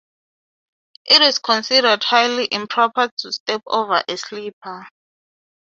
It is considered highly improper to step over a sleeper.